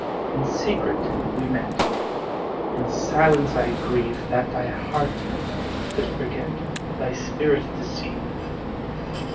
In secret we met In silence I grieve That thy heart could forget, Thy spirit deceive.